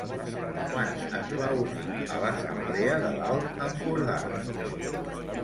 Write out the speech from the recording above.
Quan es va unir a l'Assemblea de l'Alt Empordà?